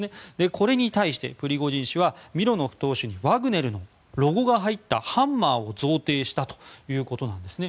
これに対して、プリゴジン氏はミロノフ党首にワグネルのロゴが入ったハンマーを贈呈したということなんですね。